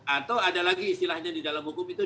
atau ada lagi istilahnya di dalam hukum itu